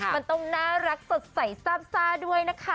มันต้องน่ารักสดใสซาบซ่าด้วยนะคะ